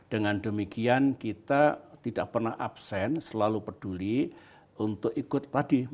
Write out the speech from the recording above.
dengan demikian kita tidak pernah absen selalu peduli untuk ikut tadi